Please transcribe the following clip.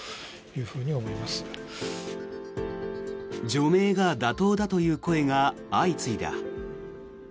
除名が妥当だという声が相次いだ。